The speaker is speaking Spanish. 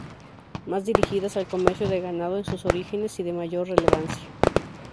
Más dirigidas al comercio de ganado en sus orígenes y de mayor relevancia.